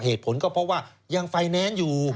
เหตุผลก็เพราะว่ายังไฟแนนซ์อยู่